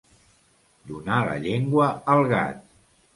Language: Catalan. Donar la llengua al gat.